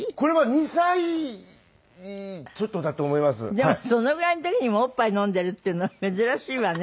でもそのぐらいの時にもおっぱい飲んでるっていうの珍しいわね。